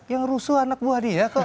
yang rusuh anak buah dia